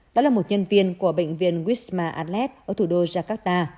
đó là một nhân viên của bệnh viên wisma atlas ở thủ đô jakarta